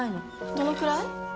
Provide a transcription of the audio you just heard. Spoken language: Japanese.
どのくらい？